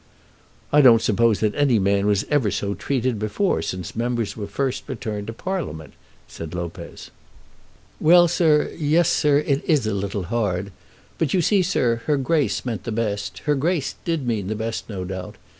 "I don't suppose that any man was ever so treated before, since members were first returned to Parliament," said Lopez. "Well, sir; yes, sir; it is a little hard. But, you see, sir, her Grace meant the best. Her Grace did mean the best, no doubt.